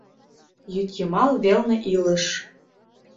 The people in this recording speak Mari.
Йӱдйымал велне илыш